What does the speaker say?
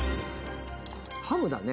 ハムだね。